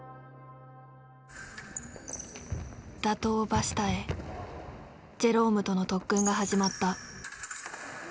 打倒バシタへジェロームとの特訓が始まった。